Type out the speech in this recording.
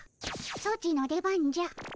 ソチの出番じゃ。